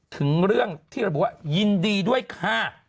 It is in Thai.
ถึงเรื่องที่ระบุว่ายินดีด้วยค่ะ